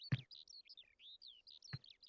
Uning nozik belidan qaddi-qomati bor